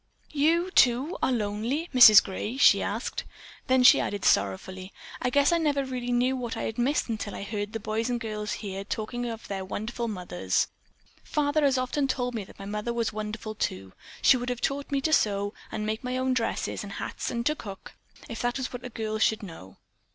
"You, too, are lonely, Mrs. Gray?" she asked. Then she added sorrowfully: "I guess I never really knew what I had missed until I heard the boys and girls here telling about their wonderful mothers. Father has often told me that my mother was wonderful, too. She would have taught me to sew and make my own dresses and hats and to cook, if that is what a girl should know."